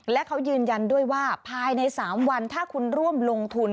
และเขายืนยันด้วยว่าภายใน๓วันถ้าคุณร่วมลงทุน